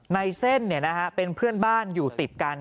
ในเส้นเป็นเพื่อนบ้านอยู่ติดกัน